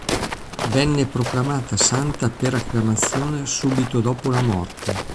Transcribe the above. Venne proclamata santa per acclamazione subito dopo la morte.